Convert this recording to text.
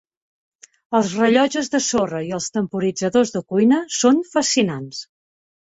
Els rellotges de sorra i els temporitzadors de cuina són fascinants.